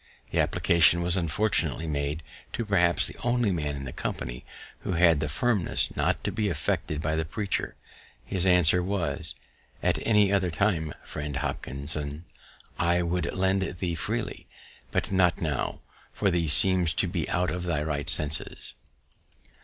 The application was unfortunately [made] to perhaps the only man in the company who had the firmness not to be affected by the preacher. His answer was, "_At any other time, Friend Hopkinson, I would lend to thee freely; but not now, for thee seems to be out of thy right senses.